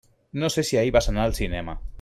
No sé si ahir vas anar al cinema.